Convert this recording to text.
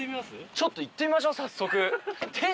ちょっと行ってみましょう早速。